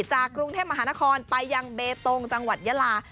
จากกรุงเทพมหานครไปยังเบตงจังหวัดยาลา